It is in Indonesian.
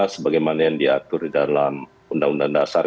sebagaimana yang diatur di dalam undang undang dasar